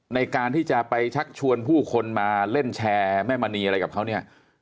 ในการที่จะไปชักชวนผู้คนมาเล่นแชร์แม่มณีอะไรกับเขาเนี่ย